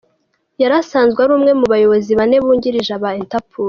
Yari asanzwe ari umwe mu bayobozi bane bungirije ba Interpol.